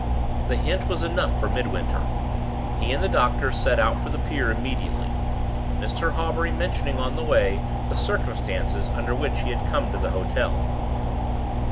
The hint was enough for Midwinter. He and the doctor set out for the pier immediately, Mr. Hawbury mentioning on the way the circumstances under which he had come to the hotel.